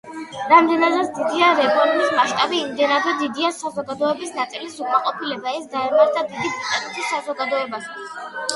რამდენადაც დიდია რეფორმის მასშტაბი, იმდენადვე დიდია საზოგადოების ნაწილის უკმაყოფილება, ეს დაემართა დიდი ბრიტანეთის საზოგადოებასაც.